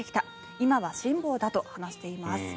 今は辛抱だと話しています。